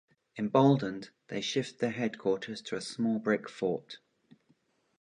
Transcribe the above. Emboldened, they shift their headquarters to a small brick fort.